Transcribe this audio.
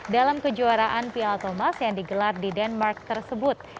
dalam kejuaraan piala thomas yang digelar di denmark tersebut